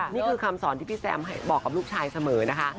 นี่คือคำสอนที่พี่แซมบอกกับลูกชายเสมอนะคะ